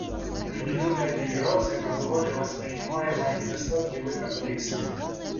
Определенные делегации называли воспринимаемые недостатки в этом тексте.